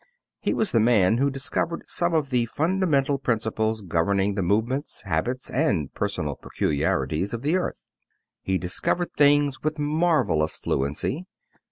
He was the man who discovered some of the fundamental principles governing the movements, habits, and personal peculiarities of the earth. He discovered things with marvelous fluency.